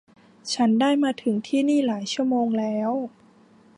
ฉันได้มาถึงที่นี่หลายชั่วโมงแล้ว